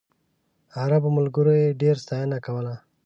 عربو ملګرو یې ډېره ستاینه کوله.